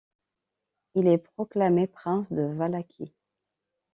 Il est proclamé prince de Valachie.